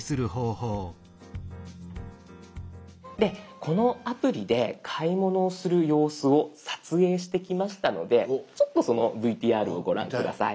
でこのアプリで買い物をする様子を撮影してきましたのでちょっとそのＶＴＲをご覧下さい。